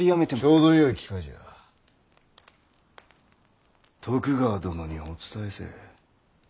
ちょうどよい機会じゃ徳川殿にお伝えせい。